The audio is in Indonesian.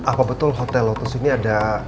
apa betul hotel lotus ini ada